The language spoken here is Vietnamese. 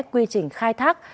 quy trình khai thác